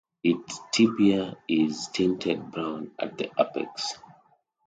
Its tibia is tinted brown at the apex.